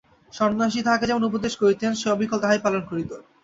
সন্ন্যাসী তাহাকে যেমন উপদেশ করিতেন সে অবিকল তাহাই পালন করিত।